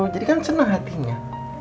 jadi kan senang hatinya